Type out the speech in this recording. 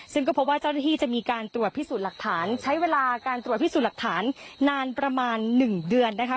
ซึ่งก็พบว่าเจ้าหน้าที่จะมีการตรวจพิสูจน์หลักฐานใช้เวลาการตรวจพิสูจน์หลักฐานนานประมาณ๑เดือนนะคะ